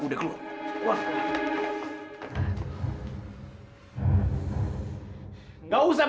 udah keluar keluar keluar